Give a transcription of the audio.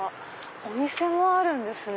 お店もあるんですね。